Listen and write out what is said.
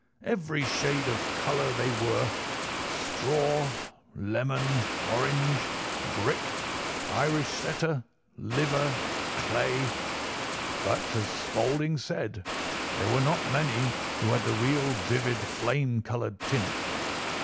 Every shade of colour they were—straw, lemon, orange, brick, Irish setter, liver, clay; but, as Spaulding said, there were not many who had the real vivid flame coloured tint.